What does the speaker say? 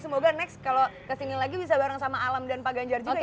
semoga next kalau kesini lagi bisa bareng sama alam dan pak ganjar juga ya